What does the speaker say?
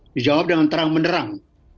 dijawab dengan terang menerang